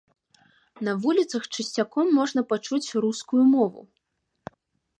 На вуліцах часцяком можна пачуць рускую мову.